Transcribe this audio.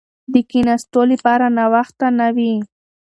د کښېناستو لپاره ناوخته نه وي.